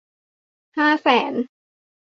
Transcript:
ห้าแสน